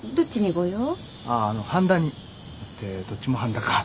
あああの半田にってどっちも半田か。